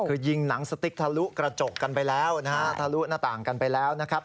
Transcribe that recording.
คือยิงหนังสติ๊กทะลุกระจกกันไปแล้วนะฮะทะลุหน้าต่างกันไปแล้วนะครับ